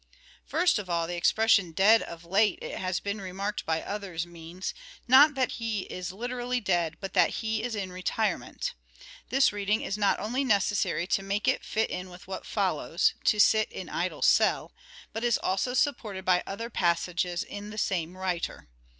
First of all the expression " dead of late," it has Spenser's been remarked by others, means, " not that he is Willle literally dead but that he is in retirement." This reading is not only necessary to make it fit in with what follows —" to sit in idle cell "— but is also supported by other passages in the same writer.